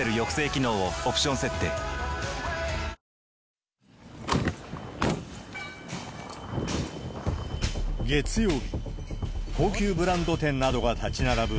「ポリグリップ」月曜日、高級ブランド店などが立ち並ぶ